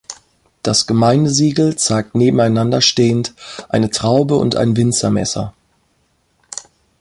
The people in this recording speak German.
Das Gemeindesiegel zeigt nebeneinander stehend eine Traube und ein Winzermesser.